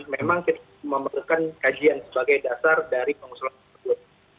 memang kita memerlukan kajian sebagai dasar dari pengusulan tersebut